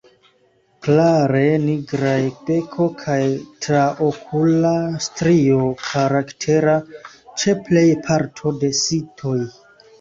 Klare nigraj beko kaj traokula strio, karaktera ĉe plej parto de sitoj.